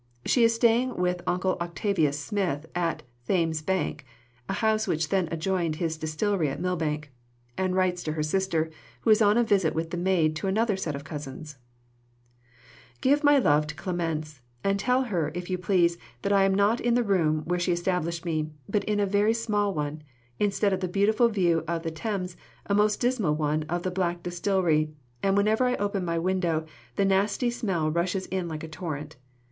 She is staying with Uncle Octavius Smith at "Thames Bank" (a house which then adjoined his distillery at Millbank), and writes to her sister, who is on a visit with the maid to another set of cousins: Give my love to Clémence, and tell her, if you please, that I am not in the room where she established me, but in a very small one; instead of the beautiful view of the Thames, a most dismal one of the black distillery, and, whenever I open my window, the nasty smell rushes in like a torrent.